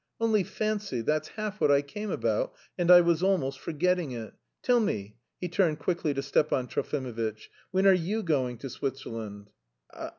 Only fancy, that's half what I came about, and I was almost forgetting it. Tell me," he turned quickly to Stepan Trofimovitch, "when are you going to Switzerland?"